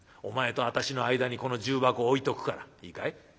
お前と私の間にこの重箱を置いとくからいいかい？